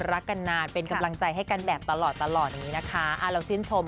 รักกันนานเป็นกำลังใจให้กันแบบตลอดตลอดอย่างนี้นะคะอ่าเราชื่นชม